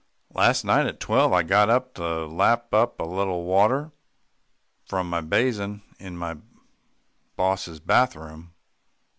"Last night at twelve, I got up to lap a little water from my basin in my boss's bath room.